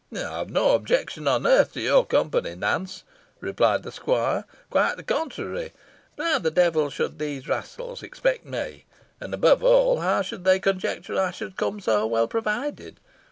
"I have no objection on earth to your company, Nance," replied the squire; "quite the contrary. But how the devil should these rascals expect me? And, above all, how should they conjecture I should come so well provided?